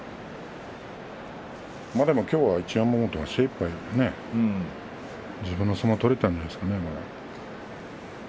でもきょうは、一山本が精いっぱい自分の相撲が取れたんじゃないでしょうか。